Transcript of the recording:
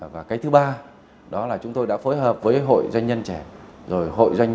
và thứ ba là chúng tôi đã phối hợp với hội doanh nhân trẻ hội doanh nhân trên địa bàn tỉnh